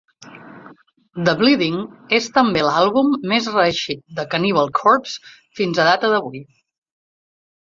"The Bleeding" és també l'àlbum més reeixit de Cannibal Corpse fins a data d'avui.